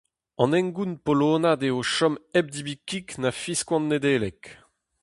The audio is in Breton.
An hengoun polonat eo chom hep debriñ kig da fiskoan Nedeleg.